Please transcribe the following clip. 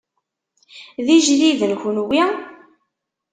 D ijdiden kunwi?